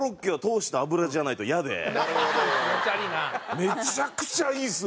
めちゃくちゃいいっすわ！